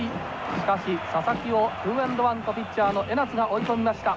しかし佐々木をツーエンドワンとピッチャーの江夏が追い込みました。